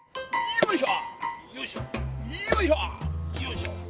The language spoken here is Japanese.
よいしょ。